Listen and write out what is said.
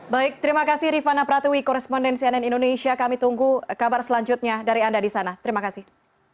baik terima kasih rifana pratwi koresponden cnn indonesia kami tunggu kabar selanjutnya dari anda di sana terima kasih